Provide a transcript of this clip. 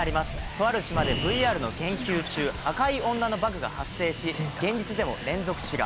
とある島でＶＲの研究中赤い女のバグが発生し現実でも連続死が。